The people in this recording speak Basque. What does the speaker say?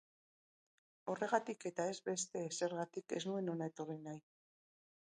Horregatik, eta ez beste ezergatik, ez nuen hona etorri nahi.